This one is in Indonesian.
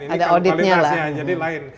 ada auditnya lah